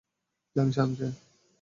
জানিস, আমি কে?